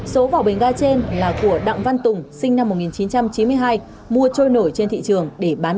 số vỏ bình ga trên là của đặng văn tùng sinh năm một nghìn chín trăm chín mươi hai mua trôi nổi trên thị trường để bán